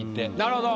なるほど。